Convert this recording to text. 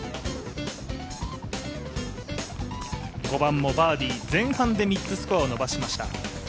５番もバーディー前半で３つスコアを伸ばしました。